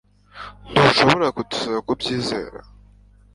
Ntushobora kudusaba kubyizera